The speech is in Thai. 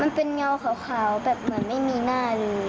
เงาขาวแบบเหมือนไม่มีหน้าเลย